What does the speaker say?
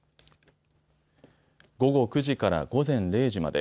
午後９時から午前０時まで。